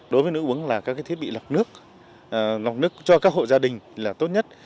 đối với nước uống là các thiết bị lọc nước lọc nước cho các hộ gia đình là tốt nhất